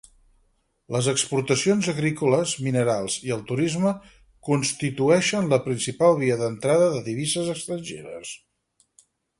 Les exportacions agrícoles, minerals i el turisme constitueixen la principal via d'entrada de divises estrangeres.